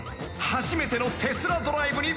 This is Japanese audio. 初めてのテスラドライブに。